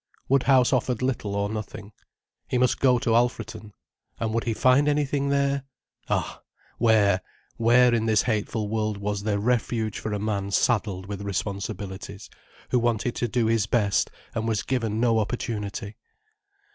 Woodhouse offered little or nothing. He must go to Alfreton. And would he find anything there? Ah, where, where in this hateful world was there refuge for a man saddled with responsibilities, who wanted to do his best and was given no opportunity?